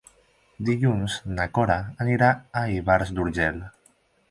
Dilluns na Cora anirà a Ivars d'Urgell.